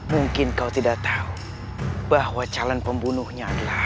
mungkin kau tidak tahu bahwa calon pembunuhnya adalah